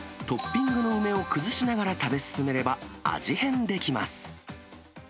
トッピングの梅を崩しながら食べ進めれば、味変できます。